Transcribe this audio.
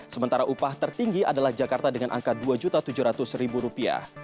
sementara upah tertinggi adalah jakarta dengan angka rp dua tujuh ratus